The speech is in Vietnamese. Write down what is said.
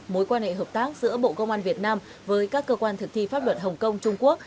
mối quan hệ hợp tác giữa bộ công an việt nam với các cơ quan thực thi pháp luật hồng kông trung quốc